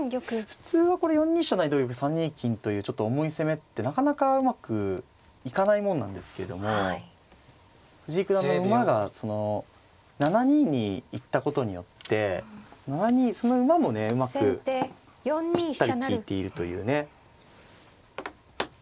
普通はこれ４二飛車成同玉３二金というちょっと重い攻めってなかなかうまくいかないもんなんですけども藤井九段の馬が７二に行ったことによって７二その馬もねうまくぴったり利いているというね。